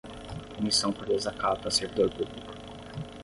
Punição por desacato a servidor público